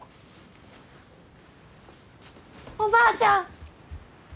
おばあちゃん！